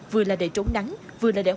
vừa là để trốn nắng vừa là để học